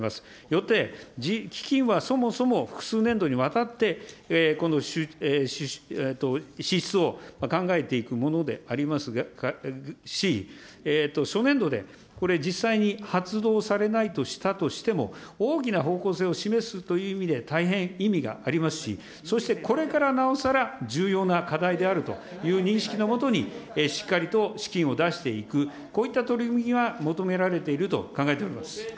よって、基金はそもそも複数年度にわたって、この支出を考えていくものでありますし、初年度でこれ実際に発動されないとしたとしても、大きな方向性を示すという意味で大変意味がありますし、そしてこれからなおさら重要な課題であるという認識のもとに、しっかりと資金を出していく、こういった取り組みが求められていると考えております。